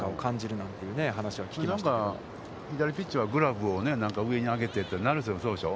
なんか左ピッチャーはグラブを上に上げてって、成瀬もそうでしょう。